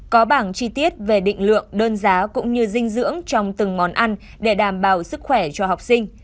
có bảng chi tiết về định lượng đơn giá cũng như dinh dưỡng trong từng món ăn để đảm bảo sức khỏe cho học sinh